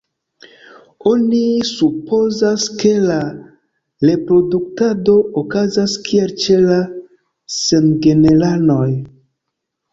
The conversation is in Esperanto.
Oni supozas, ke la reproduktado okazas kiel ĉe la samgenranoj.